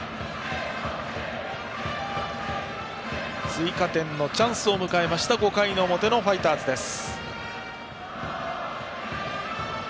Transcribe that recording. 追加点のチャンスを迎えました５回の表のファイターズです。